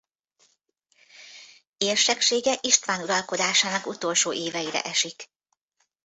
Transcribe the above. Érseksége István uralkodásának utolsó éveire esik.